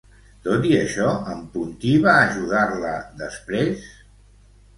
Tot i això, en Puntí va ajudar-la després?